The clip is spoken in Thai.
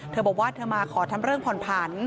เธอบอกว่าเธอมาขอทำเรื่องผ่อนผัน